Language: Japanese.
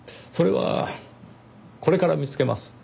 それはこれから見つけます。